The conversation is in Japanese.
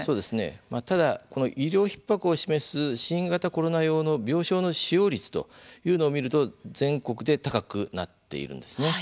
ただ医療ひっ迫を示す新型コロナ用の病床の使用率というのを見ると全国で高くなっているんですね。